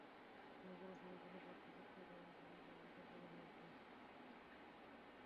কোন পৌরসভায় কোন প্রার্থী জিততে পারেন, কেন পারেন, তাও বলা হয়েছে।